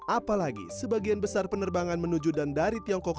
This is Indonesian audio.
apalagi sebagian besar penerbangan menuju dan dari tiongkok